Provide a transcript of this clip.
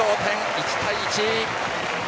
１対１！